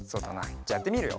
じゃあやってみるよ。